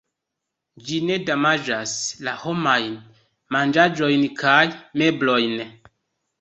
Ĝi ne damaĝas la homajn manĝaĵojn kaj meblojn.